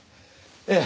ええ。